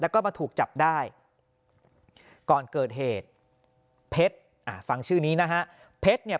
แล้วก็มาถูกจับได้ก่อนเกิดเหตุเพชรอ่าฟังชื่อนี้นะฮะเพชรเนี่ย